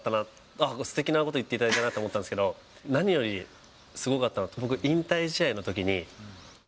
あっ、すてきなこと言っていただいたなと思ったんですけど、何よりすごかったのは、僕、引退試合のときに。